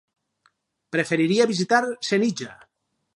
Preferiria visitar Senija.